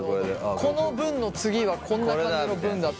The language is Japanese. この文の次はこんな感じの文だ。